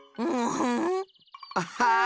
アッハー。